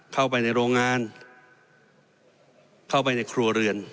เข้าไปในโรงงานเข้าไปในครัวเรือน